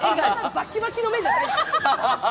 バキバキの目じゃない。